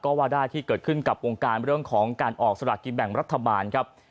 ก็ว่าได้ที่เกิดขึ้นกับวงการเรื่องของการออกสละกินแบ่งรัฐบาลครับ